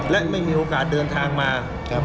และไม่มีโอกาสเดินทางมา